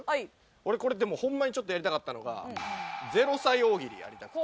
俺これでもホンマにちょっとやりたかったのが０歳大喜利やりたくて。